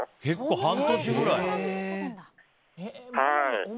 結構、半年くらいだ。